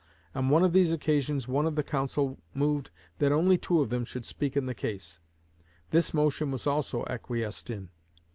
On one of these occasions one of the counsel moved that only two of them should speak in the case. This motion was also acquiesced in.